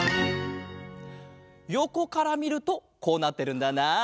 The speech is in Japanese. よこからみるとこうなってるんだな。